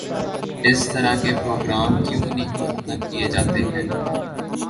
اس طرح کے پروگرام ختم کیوں نہیں کیے جاتے ہیں